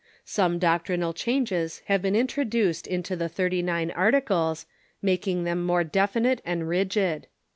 Some doctrinal changes have been introduced into the Thirty nine Articles, making them more definite and rigid.